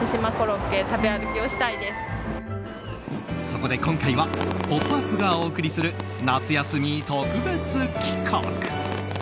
そこで今回は「ポップＵＰ！」がお送りする夏休み特別企画。